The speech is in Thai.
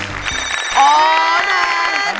อ๋อแมน